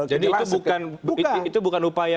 jadi itu bukan upaya